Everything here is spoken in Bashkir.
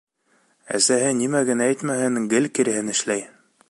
Әсәһе нимә генә әйтмәһен, гел киреһен эшләй.